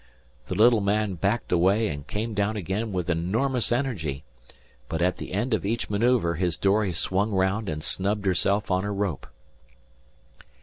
The little man backed away and came down again with enormous energy, but at the end of each maneuver his dory swung round and snubbed herself on her rope.